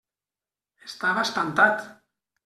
Estava espantat.